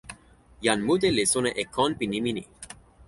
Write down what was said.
jan mute li sona e kon pi nimi ni.